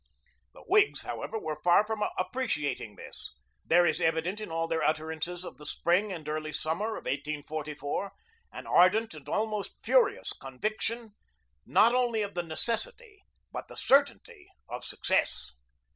The Whigs, however, were far from appreciating this. There is evident in all their utterances of the spring and early summer of 1844, an ardent and almost furious conviction, not only of the necessity but the certainty of success.